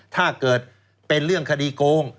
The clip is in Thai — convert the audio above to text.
ถ้าเกิดเป็นเรื่องคดีโกง